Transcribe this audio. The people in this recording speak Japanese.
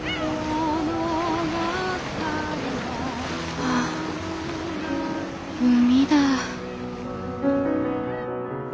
ああ海だぁ！